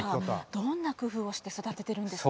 どんな工夫をして育ててるんですか。